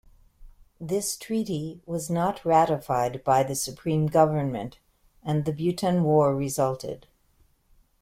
This treaty was not ratified by the supreme government, and the Bhutan War resulted.